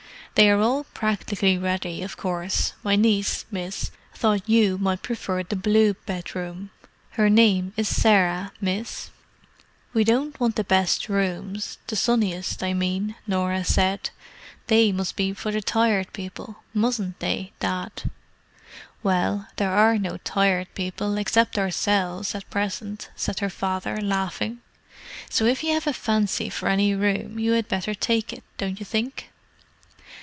"They are all practically ready, of course. My niece, miss, thought you might prefer the blue bedroom. Her name is Sarah, miss." "We don't want the best rooms—the sunniest, I mean," Norah said. "They must be for the Tired People, mustn't they, Dad?" "Well, there are no Tired People, except ourselves, at present," said her father, laughing. "So if you have a fancy for any room, you had better take it, don't you think?"